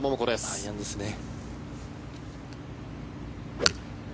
アイアンですね。